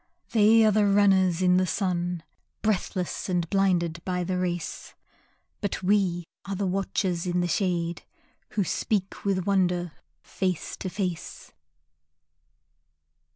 They are the runners in the sun, Breathless and blinded by the race, But we are watchers in the shade Who speak with Wonder face to face.